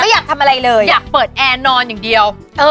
ไม่อยากทำอะไรเลย